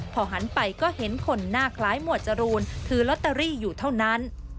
พอหันไปก็เห็นคนหน้าคล้ายหมวดจรูนถือลอตเตอรี่อยู่เท่านั้น